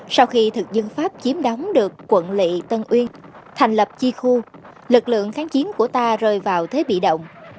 sau khi thực dân pháp chiếm đóng được quận lị tân uyên thành lập chi khu lực lượng kháng chiến của ta rơi vào thế bị động